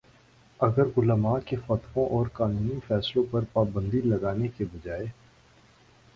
اگر علما کے فتووں اور قانونی فیصلوں پر پابندی لگانے کے بجائے